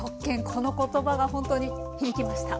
この言葉がほんとに響きました。